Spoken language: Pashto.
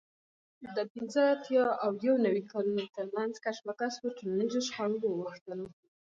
د پینځه اتیا او یو نوي کالونو ترمنځ کشمکش پر ټولنیزو شخړو واوښتلو